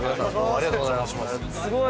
ありがとうございます。